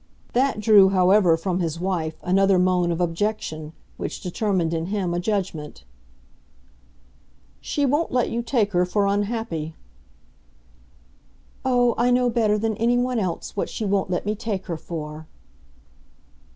That drew, however, from his wife another moan of objection, which determined in him a judgment. "She won't let you take her for unhappy." "Oh, I know better than any one else what she won't let me take her for!"